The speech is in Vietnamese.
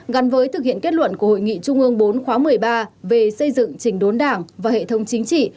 gắn với thực hiện kết luận của hội nghị trung ương bốn khóa một mươi ba về xây dựng trình đốn đảng và hệ thống chính trị